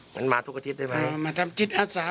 เหมือนมาทุกอาทิตย์ได้ไหมอ๋อมาทำจิตอาสา